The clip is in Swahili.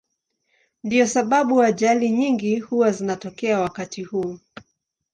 Ndiyo sababu ajali nyingi huwa zinatokea wakati huo.